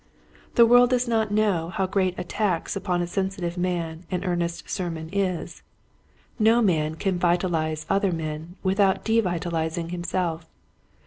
The world does not know how great a tax upon a sensitive man an earnest sermon is. No man can vitalize other men without devitalizing himself.